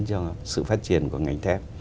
trong sự phát triển của ngành thép